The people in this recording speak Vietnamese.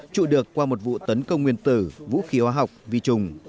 trụ được qua một vụ tấn công nguyên tử vũ khí hóa học vi trùng